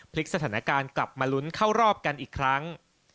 พลิกสถานการณ์กลับมาลุ้นเข้ารอบกันอีกครั้ง